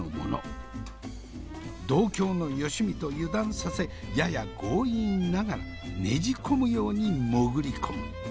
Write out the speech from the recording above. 同郷のよしみと油断させやや強引ながらねじ込むように潜り込む。